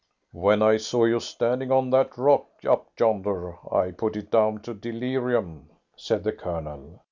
"When I saw you standing on that rock up yonder, I put it down to delirium," said the Colonel.